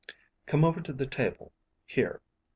"Come over to the table. Here."